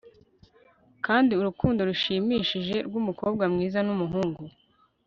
Kandi urukundo rushimishije rwumukobwa mwiza numuhungu